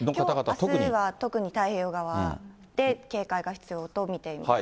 きょう、あすは太平洋側で警戒が必要と見ています。